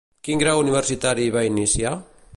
Quin grau universitari va iniciar?